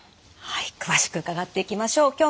はい詳しく伺っていきましょう。